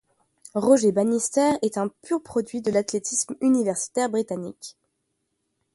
Roger Bannister est un pur produit de l'athlétisme universitaire britannique.